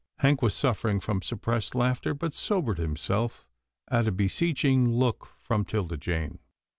Hank was suffering from suppressed laughter, but sobered himself, at a beseeching look from 'Tilda Jane.